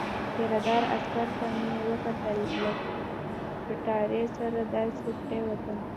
پیره دار عسکر ته مې وکتل، له کټارې سره داسې پرېوتم.